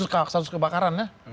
khusus kebakaran ya